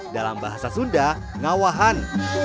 dalam bahasa sunda ngawahan